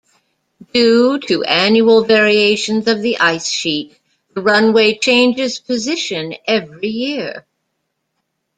Due to annual variations of the ice sheet, the runway changes position every year.